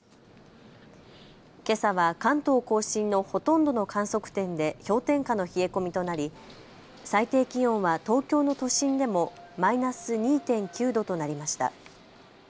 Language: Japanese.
けさは関東甲信のほとんどの観測点で氷点下の冷え込みとなり最低気温は東京の都心でもマイナス２．９度となりました。